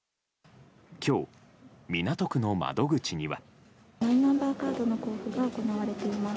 今日、港区の窓口には。